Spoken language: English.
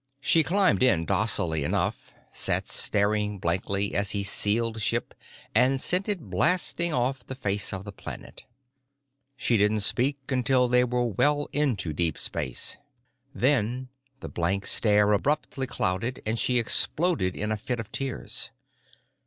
She climbed in docilely enough, sat staring blankly as he sealed ship and sent it blasting off the face of the planet. She didn't speak until they were well into deep space. Then the blank stare abruptly clouded and she exploded in a fit of tears.